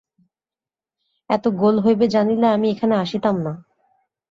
এত গোল হইবে জানিলে আমি এখানে আসিতাম না।